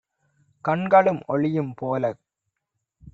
கண்களும் ஒளியும் போலக்